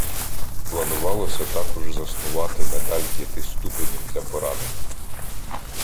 Планувалося також заснувати медаль п'яти ступенів для поранених.